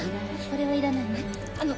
これはいらないの？